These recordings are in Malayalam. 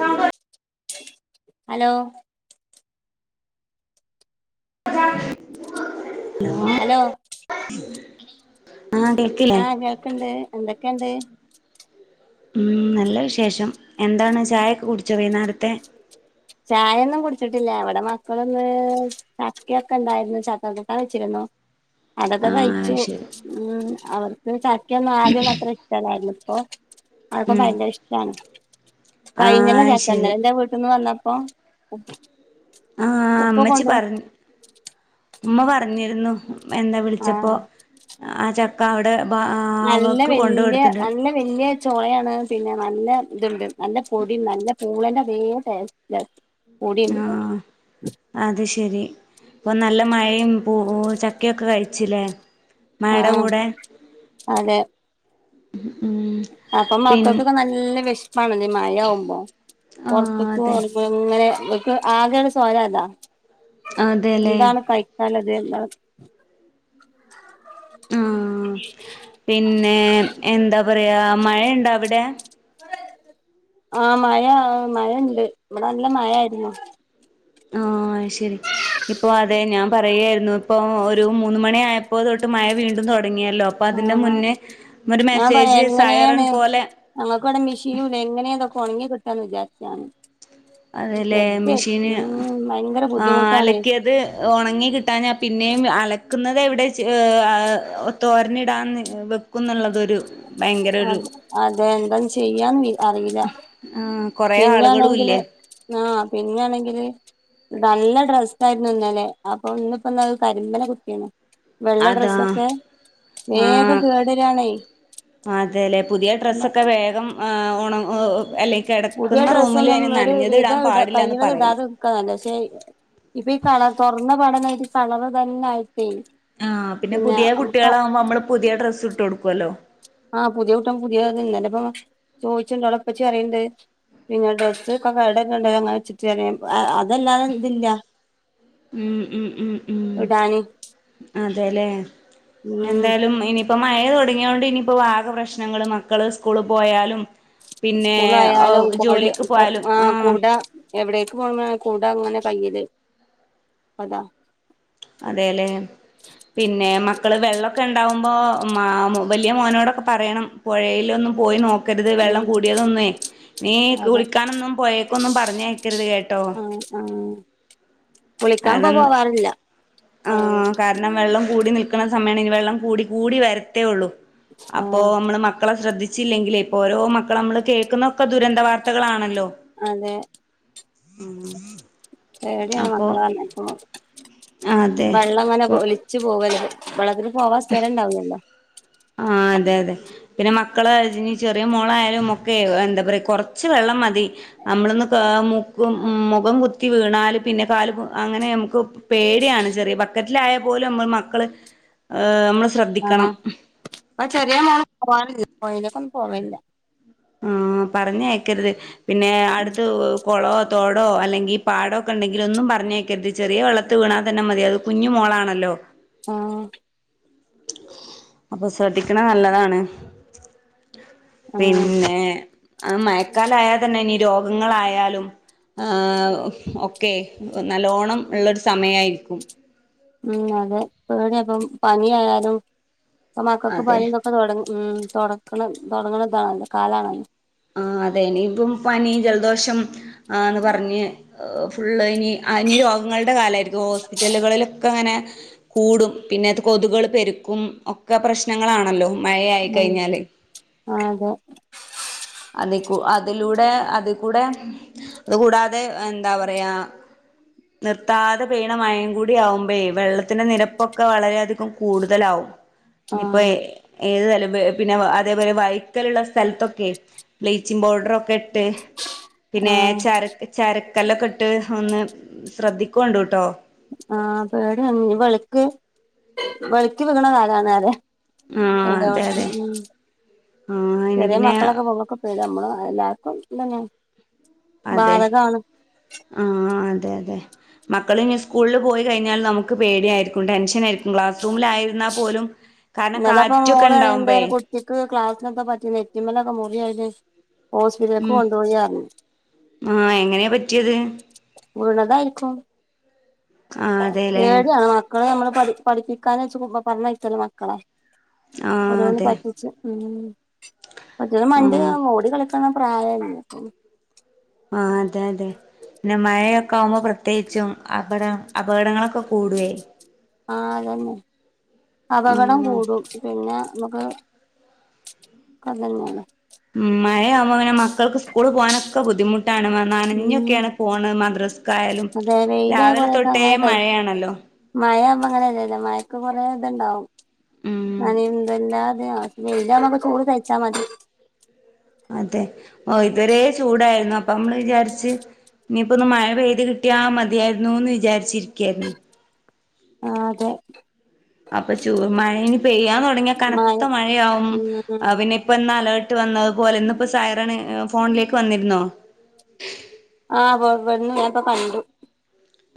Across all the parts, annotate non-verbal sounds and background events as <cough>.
സാമ്പാ ഹലോ ഹലോ ഹലോ ആഹ് കേൾക്കില്ലേ ആഹ് കേൾക്ക്‌ണ്ട് എന്തക്കെണ്ട് ഉം നല്ല വിശേഷം എന്താണ് ചായൊക്കെ കുടിച്ചൊ വൈന്നേരത്തെ ചായൊന്നും കുടിച്ചിട്ടില്ല ഇവടെ മക്കള്ന്ന് ചക്കയൊക്കെണ്ടായിരുന്നു ചക്കകൂട്ടാൻ വെച്ചിരുന്നു അതൊക്കെ ആഹ് കഴിച്ചു ശരി ഉം അവർക്ക് ചക്ക്യോ മാങ്ങായോ അത്ര ഇഷ്ടല്ലായിരുന്നു ഇപ്പൊ അത്പ്പ ഉം ഭയങ്കരഇഷ്ടാണ് കഴിഞ്ഞല്ല ആഹ് ചക്ക ശരി ന്നലെന്റെ വീട്ട്ന്ന് വന്നപ്പോ ആഹ് ഉപ്പ ഇമ്മച്ചി കൊണ്ടു പറഞ്ഞ ഉമ്മ പറഞ്ഞിരുന്നു എന്താ വിളിച്ചപ്പോൾ ആഹ് ആഹ് ചക്ക അവിടെ അവക്ക് കൊണ്ട കൊടുത്തിട്ടി വലിയ ചോളയാണ് പിന്നെ നല്ല ഇതുണ്ട് നല്ല പൊടി നല്ല പൂളേന്റെ തേ ടേസ്റ്റ് പൊടിയുണ്ട് ആഹ് അത് ശെരി ഇപ്പൊ നല്ല മഴയും പൂ ചക്കയൊക്കെ കഴിച്ചില്ലേ മഴടെ ആഹ് കൂടെ അതെ ഉം അപ്പൊ പിൻ മക്കൾക്കൊക്കെ നല്ല വിഷപ്പാ ണല്ലേ മഴ ആവുമ്പോ ആഹ് പുറത്തക്കും അതെ ഇങ്ങനെ ഇപ്പൊ ആകെള്ള സ്വയല് അതാ അതെല്ലേ ഇതാണ് കഴി ക്കല്ലത് ആഹ് പിന്നെ എന്താ പറയാ മഴണ്ടോ അവിടെ ആഹ് മഴ മഴണ്ട് ഇവിടെ നല്ല മഴാരുന്നു ആഹ് അത് ശരി ഇപ്പൊ അതെ ഞാൻ പറയായിരുന്നു ഇപ്പൊ ഒരു മൂന്ന് മണി ആയപ്പോ തൊട്ട് മഴ വീണ്ടും തൊടങ്ങിയല്ലോ അപ്പം ആ അതിൻ്റെ മുന്നേ ഒരു മെസ്സേജ് സൈറൻ പോലെ ഞങ്ങക്ക്‌വടെ മിഷീനൂല്ലേ എങ്ങനെ ഇതൊക്കെ ഒണങ്ങി കിട്ടാന്ന് വിജാരിച്ച് ഞാന്. അതെലെ മിഷീന് ഉം ഭയങ്കര ആ ബുദ്ധിമുട്ടാണ് അലക്കിയത്. ഒണങ്ങി കിട്ടാ ഞാ പിനേം അലക്ക്‌ന്നതെവിടെ ച്ച് ഏ തോര്നിടാൻ ന്ന് വെക്ക്‌- ക്കുംന്നുള്ളതൊരു- അത് അതെ എന്താ ചെയ്യാന്ന്നി അറിയില. ആ പിനേണെങ്കില് ആഹ പിനേണെങ്കില്. നല്ല ഡ്രസ്സായിരുന്നു ഇന്നലെ അപ്പൊ ഇന്നിപ്പെന്തായി കരിമ്പന കുത്തീന്നു. വെള്ള ഡ്രസ്സപ്പോ? ഉം അതെലെ പുതിയ ഡ്രസ്സൊക്കെ വേഗം ആ ആണ്. ഏ അല്ലെയ് പുതിയ കെടക്കുന്ന റൂമില് ഡ്രസ്സൊന്നും അയ്ന് ന്നനഞ്ഞദിടാ പാടില്ലാന്ന് പറയല്. അയ്ന്റെ ഷെയ്മ് ഇപ്പ ഈ കളർ തൊറന്ന പാടനായ്റ്റ് കളറ് തനായ്ട്ടേ. ആ പിനെ പുതേ കുട്ട്യേളാവുമ്പോ നമ്മള് പുതിയ ഡ്രസ്സ് ഇട്ട് കൊടുക്കോലോ. ആഹ് പുതിയ കൂട്ടം പുതിയ അത്ഇന്നലെ ഇപ്പൊ ചോയ്ച്ച്ണ്ട് അവളുപ്പച്ചി പറയ്ണ്ട്. പിന്നെ ഡ്രസ്സ്‌ക്കെ കടെ കൊണ്ടൊയോന്നാ വെച്ചിട്ട് പറയും അ അതല്ലാതെ ഇതില്ല- ഉം ഉം ഉം ഉം ഇടാന് അതെലെ ഉം എന്തായ്ലും ഇനി- ഇപ്പ മയ തൊടങ്ങ്യോണ്ട് ഇനിപ്പ ആക പ്രശ്നങ്ങള് മക്കള് സ്കൂള് പോയാലും. പിന്നെ സ്കൂളായാലും കൊടെ ജോലിക്ക് കൊ പോയാലും ആഹ ആഹ് കുട. എവിടേക്ക് പോകുമ്പോഴും ഇങ്ങനെ കുട ഇങ്ങനെ കയ്യില് അതാ- അതേലെ. പിന്നെ മക്കള് വെള്ളൊക്കെ ഇണ്ടാവുമ്പോ മാ വെല്യമോനോടൊക്കെ പറയണം. പുഴയിലൊന്നും പോയി ന്നൊക്ക- ക്കരുത് ഉം വെള്ളം കൂടിയതൊന്നേ നീ അതെ കുളിക്കാനൊന്നും പോയേക്കൊന്നും പറഞ്ഞയക്കരുത് കേട്ടോ. അ ആ കുളിക്കാൻ ഇപ്പൊ അതെന്താ പോവാറില്ല പോയത് ആഹ് കാരണം ഉം വെള്ളം. കൂടി നിൽക്കണ സമയാണ് ഇനി വെള്ളം കൂടി കൂടി വരത്തേ ഒള്ളൂ അപ്പോ ആഹ് നമ്മള് മക്കളെ ശ്രദ്ധിച്- ച്ചില്ലെങ്കിലേ ഇപ്പോ ഓരോ മക്കളമ്മള് കേൾക്കുന്നൊക്കെ ദുരന്ത വാർത്തകളാണല്ലോ. അതെ പേടിയാണ് അപ്പൊ മക്കളെ പറഞ്ഞയക്കുമ്പോ അതെ വെള്ളംങ്ങനെ ഒലി- ച്ച് പോവലത് വളള ത്തിന് പോവാൻ സ്ഥലം ഇണ്ടാവുല്ലല്ലോ. ആ അതെ അതെ. പിന്നെ മക്കളെ ഇജ് ചെറിയ മോളായാലും ഒക്കെ എന്താ പറയാ കൊറച്ച് വെള്ളം മതി. നമ്മളൊന്ന് കാ മുക്- ക്കും മുഖം കുത്തി വീണാല് പിനെ കാല് പൊ അങ്ങനെ നമുക്ക് പേടിയാണ് ചെറിയ- ബക്കറ്റിലായ പോലും നമ്മള് മക്കള്. ഏ നമ്മള്- ആഹ് ശ്രദ്ധിക്കണം അത് ചെറിയ മോള് പോവാറ് പോയേലെക്കൊന്നും പോവലില്ല. ഉം പറഞ്ഞയക്കരുത് പിന്നെ അട്ത്തു- കൊളവോ തോടോ അല്ലെങ്കി പാടൊക്കെ ഇണ്ടെങ്കിലൊന്നും പറഞ്ഞയ്ക്കരുത് ചെറിയ വെള്ളത്തി വീണാ തന്നെ മതി അത്. കുഞ്ഞ്മോളാണല്ലോ. ആഹ് അപ്പൊ ശ്രദ്ധിക്കണത് നല്ലതാണ്. ആഹ് പിന്നെ അത് മയക്കാലായാ തന്നെ ഇനി രോഗങ്ങളായാലും. ഏ ഹ് ഒക്കെ നല്ലോണം ഇള്ളൊരു സമയായിരിക്കും. ഉം അതെ പ്പേവിടെപ്പം പനി ആയാലും ഇപ്പ മക്കക്ക്‌ അതെ പനിയും ഇപ്പതുടക്കണ മ് തുടങ്ങണതാണല്ല കാലാണല്ലോ ആഹ് അതെ ഇനി ഇപ്പം പനി ജലദോഷം ആന്ന് പറഞ്ഞ് ഫുള്ള് ഇനി ആ ഇനി രോഗങ്ങളുടെ കാലമായിരിക്കും ഹോസ്പിറ്റലുകളിലൊക്കെ അങ്ങനെ കൂടും പിന്നെ അത് കൊതുകള് പെരുക്കും ഒക്കെ പ്രശ്നങ്ങളാണല്ലോ മഴയായി ഉം കഴിഞ്ഞാല്. ആഹ് തെ അതികൂ അതിലൂടെ അതി കൂടെ അത് കൂടാതെ എന്താ പറയാ നിർത്താതെ പെയ്യണ മഴയും കൂടി ആകുമ്പോയേ വെള്ളത്തിന്റെ നിരപ്പൊക്കെ വളരെയധികം കൂടുതലാവും <inaudible> ഇപ്പോ ഏത് തലം പിന്നെ അതേപോലെ വൈക്കലുള്ള സ്ഥലത്തൊക്കെ. ബ്ലീച്ചിങ് പൗഡറൊക്കെ ഇട്ട് പിന്നെ ആഹ് ചരക്ക് ചരക്കല്ലൊക്കെ ഇട്ട് ഒന്ന് ശ്രദ്ധിക്കൊണ്ട് ട്ടോ ആഹ് പേടിയാണ് ഇനി വെളിക്ക് വെളിക്ക് വിക്കണ കാലണല്ലേ ആ അതെ എല്ലാർക്കും അതെ ഉം ആ ഇനി ചെറിയ പിന്നെ മക്കളൊക്കെ പൊങ്ങക്കും. പിന്നെ നമ്മള് എല്ലാർക്കും ഇന്നെങ്ങേ അതെ ആഹ് അതെ അതെ മക്കള് ഇനി സ്കൂളിൽ പോയി കഴിഞ്ഞാൽ നമുക്ക് പേടിയായിരിക്കും ടെൻഷനായിരിക്കും ക്ലാസ് റൂമില് ആയിരുന്നാൽ പോലും കാരണം ഇന്നലപ്പം കാറ്റൊക്കെ മോള് പറിയണ്ട് ഉണ്ടാവുമ്പേ കുട്ടിക്ക് ക്ലാസ്സിലെന്തോ പറ്റി നെറ്റിമ്മലൊക്കെ മുറിയായി ഓസ്പിറ്റലിക്ക് ഉം കൊണ്ടു പോയിന്ന് അറിഞ്ഞു ആഹ് എങ്ങനെയാ പറ്റിയത് വീണതായിരിക്കും ആഹ് അതെല്ലേ പേടി ആണ് മ ക്കളെ നമ്മള് പഠി പഠിപ്പിക്കാനെച്ച് പറഞ്ഞ് അയക്കുവല്ലോ മക്കളെ ആഹ് ഓരോന്ന് അതെ പറ്റിച്ച് ഉം പറ്റന്ന് മണ്ടിയാ ആഹ് ഓടി കളിക്ക്ണ പ്രായല്ലേ? ആഹ് അതെ അതെ പിന്നെ മഴയൊക്കെ ആകുമ്പോ പ്രത്യേകിച്ചും അവിടെ അപകടങ്ങളൊക്കെ കൂടുവേ ആ അതന്നെ ആഹ് അപകടം ഉം കൂടും പിന്നെ നമുക്ക്. അതങ്ങനെ ഉം മഴയാവുമ്പോ അങ്ങനെ മക്കൾക്ക് സ്കൂള് പോകാനൊക്കെ ബുദ്ധിമുട്ടാണ്. ഉം നനഞ്ഞ്ക്കെയാണ് പോണ് മദ്രസക്കായാലും അതെ രാവിലെ തൊട്ടേ മഴയാണല്ലോ? മഴ ആവുമ്പോ ങ്ങല്ലല്ലേ മഴക്ക് കൊറെ ഇതുണ്ടാവും ഉം നനന്തല്ലാതെയോ വെയിലാവുമ്പോ നമുക്ക് ചൂട് സഹിച്ചാ മതി. അതെ ഓ ഇതവരേ ചൂടായിരുന്നു അപ്പൊ നമ്മള് വിചാരിച്ച്. ഇനിയിപ്പോ ഒന്ന് മഴ പെയ്ത് കിട്ടിയാ മതിയായിരുന്നൂന്ന് വിചാരിച്ചിരിക്കയായിരുന്നു. ആഹ് അതെ അപ്പൊ ചൂ മഴയിനി പെയ്യാൻ തുടങ്ങിയാ മഴ കനത്ത മഴയാകും ഉം പിന്നെപ്പ ഇപ്പാ ന്ന്‌ അലേർട്ട് വന്നത്പോലെന്നിപ്പോ സൈറണ് ഫോണിലേക്ക് വന്നിരുന്നോ? ആഹ് പ്പോ വന്നു ഞാനിപ്പോ കണ്ടു.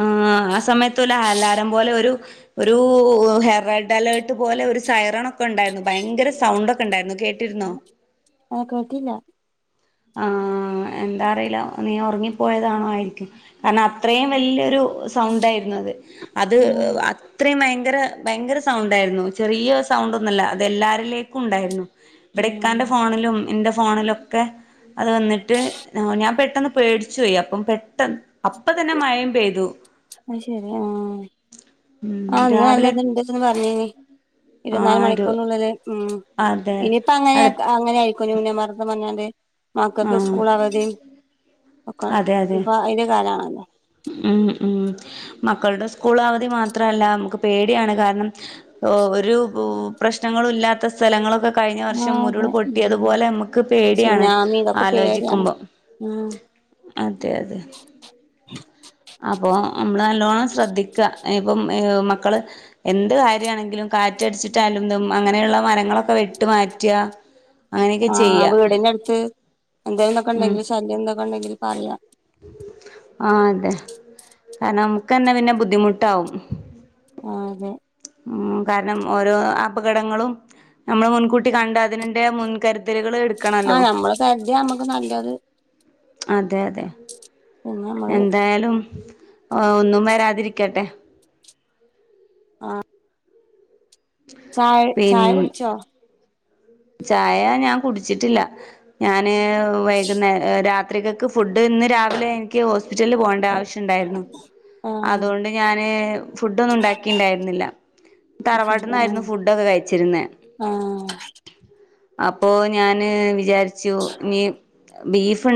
ആ ആഹ് സമയത്തു ഒലു അലാറം പോലെ ഒരു ഒരു ഹെ റെഡ് അലേർട്ട് പോലെ ഒരു സൈറണൊക്കെ ഉണ്ടായിരുന്നു ഭയങ്കര സൗണ്ട് ഒക്കെ ഒണ്ടായിരുന്നു ആ കേട്ടില്ല ആഹ് എന്താ അറിയില്ല നീ ഒറങ്ങിപ്പോയതാണോ ആയിരിക്കും. കാരണം അത്രിം വല്യൊരു സൗണ്ട് ആയിരുന്നു. അത് അത് ആഹ് ആ ഇത്രയും ഭയങ്കര ഭയങ്കര സൗണ്ടായിരുന്നു. ചെറിയ സൗണ്ടൊന്നുമല്ല അത് എല്ലാരിലേക്കും ഉണ്ടായിരുന്നു. ഇവടെ ഉം ഇക്കാന്റെ ഫോണിലും എന്റെ ഫോണിൽ ഒക്കെ അത് വന്നിട്ട് ഞാൻ പെട്ടെന്ന് പേടിച്ചു പോയി. അപ്പം പെട്ടെന്ന് അപ്പ തന്നെ മയയും പെയ്തു. അതു ശെരി ആഹ് ഉം ആഹ് ഇന്ന് നല്ല രാവിലെ ഇത് ഇണ്ട്ന്ന് പറഞ്ഞേനി ആ ഇരുവത്തിനാല് ഒരു മണിക്കൂറിനുള്ളില് ഉം അതെ ഇനിയിപ്പ അടു അങ്ങനേക്ക അങ്ങനായി ക്കെ ന്യൂനമർദ്ദം പറ്ഞ്ഞാണ്ട് ആ മക്കക്ക് സ്കൂൾ അവധി ഒക്കെ അതെ അതെ ഇപ്പ അയിന്റെ കാലാണല്ലോ ഉം ഉം മക്കൾടെ സ്കൂൾ അവധി മാത്രല്ല നമുക്ക് പേടിയാണ് കാരണം ഓഹ് ഒരു പ്രശ്നങ്ങളും ഇല്ലാത്ത സ്ഥലങ്ങളൊക്കെ കഴിഞ്ഞ വർഷം ആഹ് ഉരുള് അതെ ഉം പൊട്ടിയതുപോലെ നമ്മുക്ക് പേടിയാണ് ആലോചിക്കുമ്പം ആഹ് അതെ അതെ അപ്പോ നമ്മള് നല്ലോണം ശ്രദ്ധിക്ക ഇപ്പം ഈഹ് മക്കള് എന്ത് കാര്യാണെങ്കിലും കാറ്റടിച്ചിട്ട് യാലും തും അങ്ങനെയുള്ള മരങ്ങളൊക്കെ വെട്ടി മാറ്റ ആഹ് വീടിന്റെടുത്ത് എന്തേലൊക്കെ ഉം ഒണ്ടെങ്കിൽ ശല്യം എന്തൊക്കെ ഒണ്ടെങ്കിൽ പറക. ആഹ് അതെ കാരണം നമുക്കന്നെ പിന്നെ ബുദ്ധിമുട്ടാവും ആഹ് അതെ ഉം കാരണം ഓരോ അപകടങ്ങളും നമ്മള് മുൻകൂട്ടി കണ്ട് അതിനന്റെ മുൻകരു തിലുകള് എടുക്കണല്ലോ ആഹ് നമ്മള് കരുതിയ നമ്മക്ക് നല്ലത് അതെ അതെ പിന്നെ നമ്മള് എന്തായാലും ഓ ഒന്നും വരാതിരിക്കട്ടെ ആഹ് ചായ പിൻ ചായ കുടിച്ചോ ചായ ഞാൻ കുടിച്ചിട്ടില്ല ഞാന് വൈകുന്നേ രാത്രികക്ക് ഫുഡ് ഇന്ന് രാവി വിലെ എനിക്ക് ഹോസ്പിറ്റലിൽ പോകേണ്ട ആവശ്യം ഇണ്ടായിരുന്നു ആഹ് അതൊണ്ട് ഞാന് ഫുഡ് ഒന്നും ഉണ്ടാക്കി ഇണ്ടായിരുന്നില്ല അത് ശരി ആഹ് തറവാട്ടിന്നായിരുന്നു ഫുഡൊക്കെ കയിച്ചിരുന്നെ ആഹ് അപ്പോ ഞാന് വിചാരിച്ചു ഇനി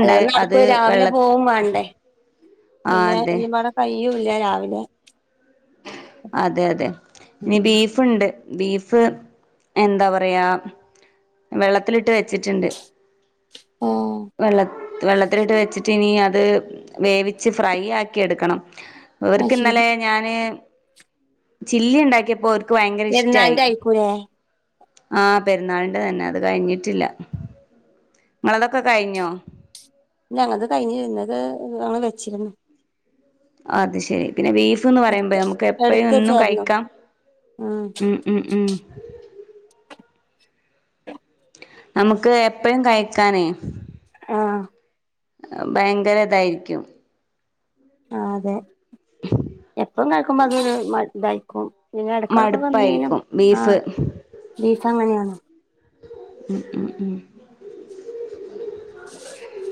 അല്ല അത് നടക്കൂല രാവിലെ വെള്ള പോവും വേണ്ടേ ആഹ് പിന്നെ അതെ എന്നും പറഞ്ഞ് പയ്യും ഇല്ല രാവിലെ അതെ അതെ ഇനി ഉം ബീഫ് ഫുണ്ട് ബീഫ് എന്താ പറയാ വെള്ളത്തിലിട്ട് വെച്ചിട്ട്ണ്ട് ആഹ് വെള്ളത് വെള്ളത്തിലിട്ട് വെച്ചിട്ട് ഇനി അത് വേവിച്ച് ഫ്രൈ ആക്കിയെട്ക്കണം അത് അവർക്ക് ശരി ഇന്നലെ ഞാനേ ചില്ലി ഉണ്ടാക്കിയപ്പോ ഓർ ഇക്ക് ഭയങ്കര ഇഷ്ടായി പെരുന്നാളിന്റെ ആയിക്കൂലേ ആഹ് പെരുന്നാളിന്റെ തന്നെ അത് കഴിഞ്ഞിട്ടില്ല ങ്ങളതൊക്കെ കഴിഞ്ഞോ ഞങ്ങക്ക് കയിഞ്ഞിരുന്നത് ഞങ്ങള് വെച്ചിരുന്നു അത് ശെരി പിന്നെ ബീഫ്ന്ന് പറയുമ്പെഴ് നമുക്ക് എപ്പയും എടുത്ത് എന്നും വെച്ചായിരുന്നു കഴിക്കാം ഉം ഉം ഉം നമുക്ക് എപ്പയും കയിക്കാനേ ആഹ് ഭയങ്കര ഇതായിരിക്കും ആഹ് അതെ എപ്പഴും കഴിക്കുമ്പ അത് മൾ ഇതായിക്കും പിന്നെ എടക്കെടെക്കൊക്കെ മീനും മടുപ്പായിരിക്കും ബീഫ് ആഹ് ബീഫ്‌ അങ്ങനെയാണ് ഉം ഉം ഉം <inaudible>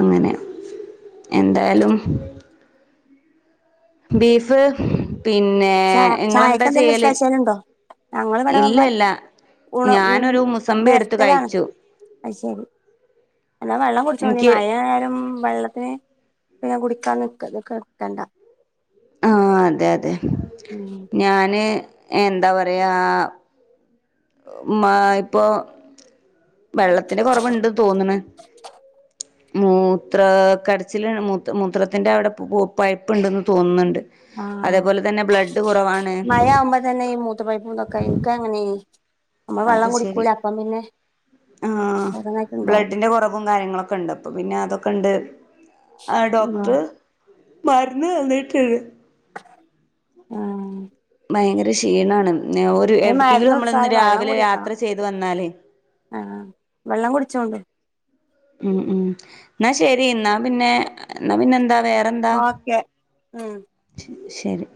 അങ്ങനെ എന്തായാലും ബീഫ്, പിന്നേ ചാ ഇങ്ങളെന്താ ചായക്ക് എന്തെങ്കിലും ചെയ്യല്? സ്പെഷ്യൽ ഉണ്ടോ ഞങ്ങളിവിടെ ഇല്ലല്ല ഊണ് ഉം ഞാനൊരു മുസമ്പി എടുത്ത് വരട്ടലാണ് കഴിച്ചു. <unintelligible> എന്നാ വെള്ളം കുടിച്ചോഞ്ഞി എനിക്ക് മഴ ആയാലും വെള്ളത്തിന് പിന്നാ കുടിക്കാ നിക്ക നിക്കണ്ട. ആഹ് അതെ അതെ ഉം ഞാന് എന്താ പറയാ, മാ ഇപ്പോ, വെള്ളത്തിന്റെ കൊറവ്ണ്ട് തോന്നണ്. മൂത്ര കടച്ചിലാണ്, മൂത് മൂത്രത്തിന്റെ അവിടെ പയ്പ്പുണ്ടന്ന് തോന്നുന്നുണ്ട്. അതേപോലെ തന്നെ ബ്ലഡ് കുറവാണ്. കാവുമ്പോ തന്നെ ഈ മൂ തത്തി പയ്‌പ്പ് <unintelligible> എന്ക്ക് അങ്ങനെയി. നമ്മ അത് വെള്ളം കുടിക്കൂല ശരി അപ്പം പിന്നെ ആഹ് വേറെന്നായിട്ടുണ്ടാവും ബ്ലഡിന്റെ കൊറവും കാര്യങ്ങളൊക്കെ ഉണ്ട്. അപ്പ പിന്നെ അതൊക്കെ ഉണ്ട്. ആ ഡോക്ടറ് മരുന്ന് തന്നിട്ടിണ്ട്. ഉം ഭയങ്കര ക്ഷീണാണ്. ഒരു എവിടക്കെങ്കിലും മരുന്ന് നമ്മളന്ന് കുടിച്ചാലും രാവിലെ യാത്ര ചെയ്ത് വന്നാലേ, ആ വെള്ളം കുടിച്ചോണ്ട്. ഉം ഉം ന്നാ ശരി, എന്നാ പിന്നെ എന്നാ പിന്നെ എന്താ വേറെ, ഓക്കെ ഉം. ശ ശരി.